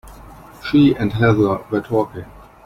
She and Heather were talking.